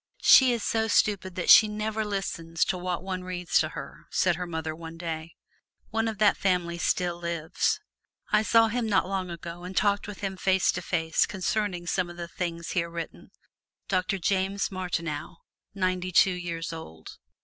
"She is so stupid that she never listens to what one reads to her," said her mother one day. One of that family still lives. I saw him not long ago and talked with him face to face concerning some of the things here written Doctor James Martineau, ninety two years old.